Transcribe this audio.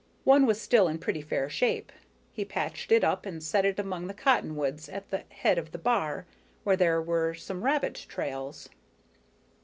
One was still in pretty fair shape. He patched it up and set it among the cottonwoods at the head of the bar, where there were some rabbit trails.